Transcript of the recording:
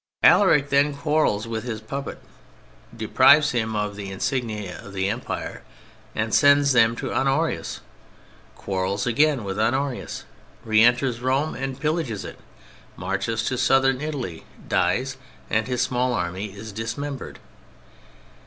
Alaric then quarrels with his puppet, deprives him of the insignia of the Empire, and sends them to Honorius; quarrels again with Honorius, reënters Rome and pillages it, marches to Southern Italy, dies, and his small army is dismembered.